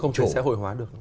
không xã hội hóa được